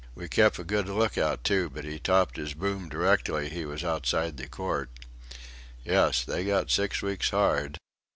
We kept a good look out, too but he topped his boom directly he was outside the court.... Yes. They got six weeks' hard...."